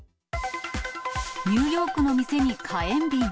ニューヨークの店に火炎瓶。